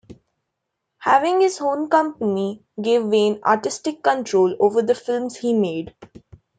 Having his own company gave Wayne artistic control over the films he made.